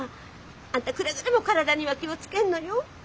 あんたくれぐれも体には気を付けんのよ。